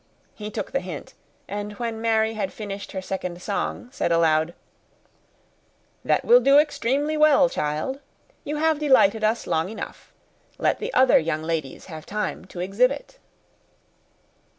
He took the hint, and, when Mary had finished her second song, said aloud, "That will do extremely well, child. You have delighted us long enough. Let the other young ladies have time to exhibit."